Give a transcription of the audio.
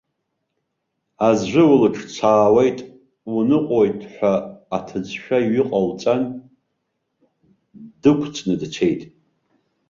Аӡәы улыҿцаауеит, уныҟәоит, ҳәа аҭыӡшәа ҩыҟалҵан, дықәҵны дцеит.